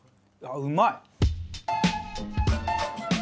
ああうまい！